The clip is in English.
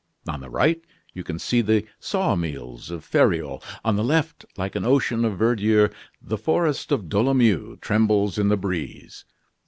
On the right you can see the saw mills of Fereol. On the left, like an ocean of verdure, the forest of Dolomien trembles in the breeze.